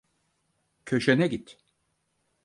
Köşene git.